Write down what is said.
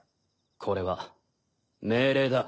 これは命令だ。